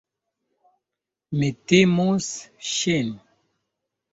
Mi timus ŝin.